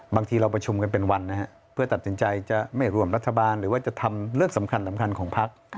บางทีเราประชุมกันเป็นวันนะฮะเพื่อตัดสินใจจะไม่ร่วมรัฐบาลหรือว่าจะทำเรื่องสำคัญของพัก